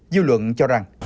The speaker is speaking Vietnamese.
dư luận cho rằng